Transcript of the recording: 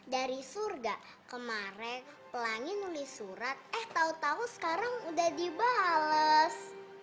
dari surga kemaren pelangi nulis surat eh tahu tahu sekarang udah dibales